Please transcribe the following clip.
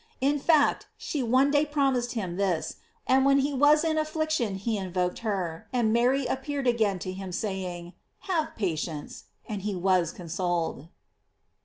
In fact she one day promised him this, and when he was in affliction he invoked her, and Mary appeared again to him, saying : "Have patience," and he was consoled.